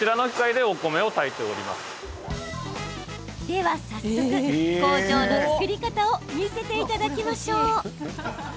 では早速、工場の作り方を見せていただきましょう。